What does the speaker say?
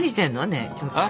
ねえちょっと。